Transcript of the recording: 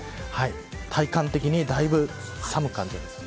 体感的にだいぶ寒く感じられます。